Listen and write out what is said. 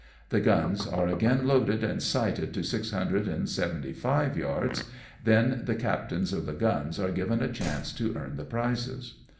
The guns are again loaded and sighted to six hundred and seventy five WE SAIL FROM WOOSUNG. 19 yards, then the captains of the guns are given a chance to earn the prizes.